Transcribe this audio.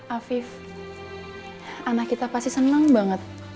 afif anak kita pasti senang banget